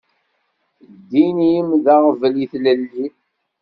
Ddin-im d aɣbel i tlelli.